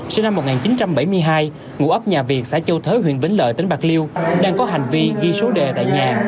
sinh năm một nghìn chín trăm bảy mươi hai ngũ ấp nhà việt xã châu thới huyện vĩnh lợi tỉnh bạc liêu đang có hành vi ghi số đề tại nhà